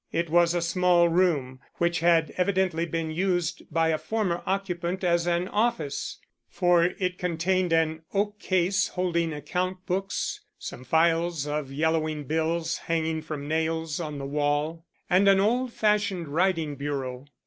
It was a small room, which had evidently been used by a former occupant as an office, for it contained an oak case holding account books, some files of yellowing bills hanging from nails on the wall, and an old fashioned writing bureau.